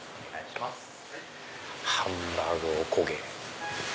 ハンバーグ・おこげ。